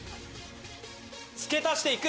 付け足していく！